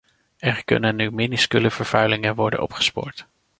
Er kunnen nu minuscule vervuilingen worden opgespoord.